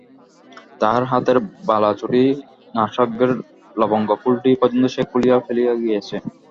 তাহার হাতের বালাচুড়ি, নাসাগ্রের লবঙ্গফুলটি পর্যন্ত সে খুলিয়া ফেলিয়া গিয়াছে।